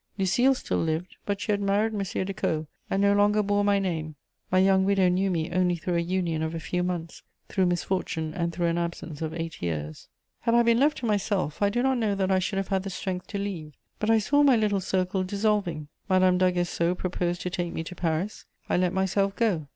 Lucile still lived, but she had married M. de Caud and no longer bore my name; my young "widow" knew me only through a union of a few months, through misfortune and through an absence of eight years. [Illustration: George III.] Had I been left to myself, I do not know that I should have had the strength to leave; but I saw my little circle dissolving; Madame d'Aguesseau proposed to take me to Paris: I let myself go.